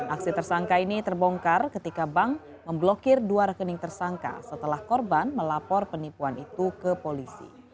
aksi tersangka ini terbongkar ketika bank memblokir dua rekening tersangka setelah korban melapor penipuan itu ke polisi